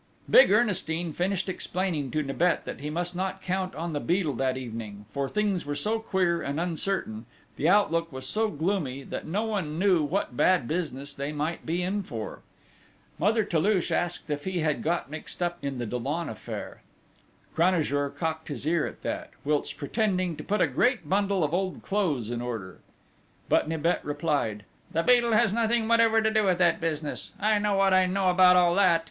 [Footnote 6: Hooligan.] Big Ernestine finished explaining to Nibet that he must not count on the Beadle that evening, for things were so queer and uncertain, the outlook was so gloomy that no one knew what bad business they might be in for. Mother Toulouche asked if he had got mixed up in the Dollon affair. Cranajour cocked his ear at that, whilst pretending to put a great bundle of old clothes in order. But Nibet replied: "The Beadle has nothing whatever to do with that business.... I know what I know about all that....